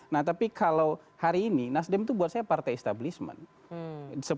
nah tapi kalau hari ini nasdem itu buat saya partai establishment